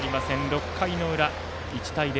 ６回の裏、１対０。